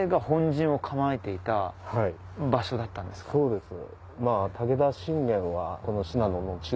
そうです。